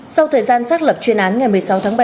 sau thời gian xác lập chuyên án ngày một mươi sáu tháng bảy